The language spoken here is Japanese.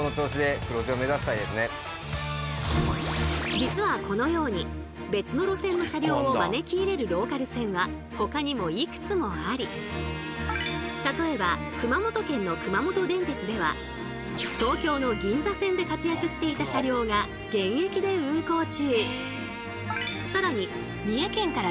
実はこのように別の路線の車両を招き入れるローカル線は他にもいくつもあり例えば熊本県の熊本電鉄では東京の銀座線で活躍していた車両が現役で運行中。